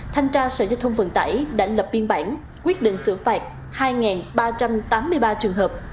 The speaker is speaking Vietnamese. thanh tra sở giao thông vận tải đã lập biên bản quyết định xử phạt hai ba trăm tám mươi ba trường hợp